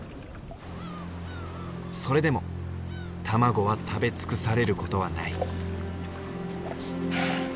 それでも卵は食べ尽くされることはない。